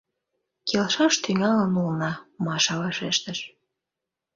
— Келшаш тӱҥалын улына, — Маша вашештыш.